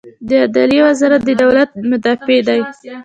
د عدلیې وزارت د دولت مدافع دی